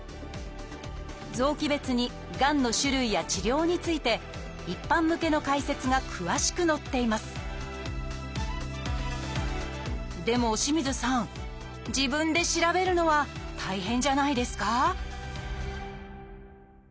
臓器別にがんの種類や治療について一般向けの解説が詳しく載っていますでも清水さん自分で調べるのは大変じゃないですか？